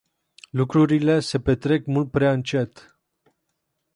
Lucrurile se petrec mult prea încet.